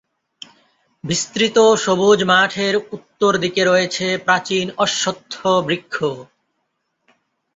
বিস্তৃত সবুজ মাঠের উত্তর দিকে রয়েছে প্রাচীন অশ্বত্থবৃক্ষ।